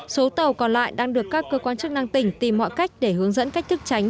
số tàu còn lại đang được các cơ quan chức năng tỉnh tìm mọi cách để hướng dẫn cách thức tránh